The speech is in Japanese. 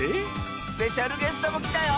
スペシャルゲストもきたよ！